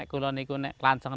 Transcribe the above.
kalau mau kelanjeng